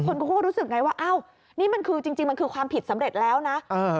คนก็คงรู้สึกไงว่าเอ้านี่จริงมันคือความผิดสำเร็จแล้วนะ